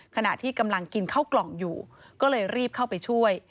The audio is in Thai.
ขณะที่กำลังกินข้าวกล่องอยู่ก็เลยรีบเข้าไปช่วย